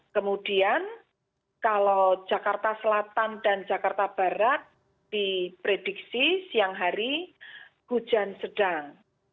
kemudian kalau jakarta selatan dan jakarta barat diprediksi siang hari hujan sedang